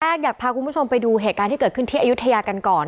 อยากพาคุณผู้ชมไปดูเหตุการณ์ที่เกิดขึ้นที่อายุทยากันก่อน